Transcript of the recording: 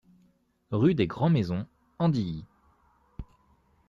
Rue des Gds Maisons, Andilly